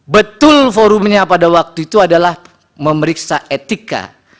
betul forumnya pada waktu itu adalah memeriksa etika